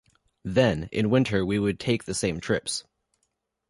Then, in winter, we would take the same trips.